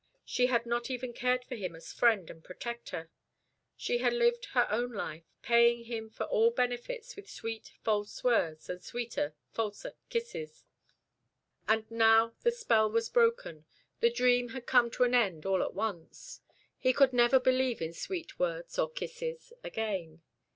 She had not even cared for him as friend and protector. She had lived her own life; paying him for all benefits with sweet false words, and sweeter falser kisses. And now the spell was broken; the dream had come to an end all at once. He could never believe in sweet words or kisses again.